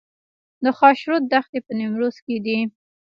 د خاشرود دښتې په نیمروز کې دي